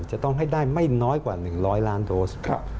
จะต้องให้ได้ไม่น้อยกว่า๑๐๐ล้านโดส